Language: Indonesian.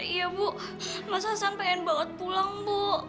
iya bu mas hasan pengen bawa pulang bu